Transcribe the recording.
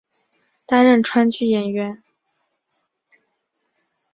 担任川剧演员。